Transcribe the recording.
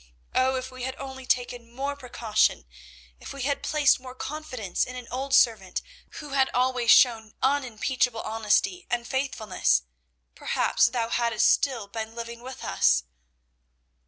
Oh, if we had only taken more precaution, if we had placed more confidence in an old servant who had always shown unimpeachable honesty and faithfulness, perhaps thou hadst still been living with us!"